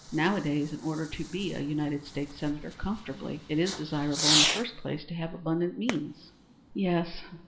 Nowadays, in order to be a United States Senator comfortably, it is desirable in the first place to have abundant means." "Yes."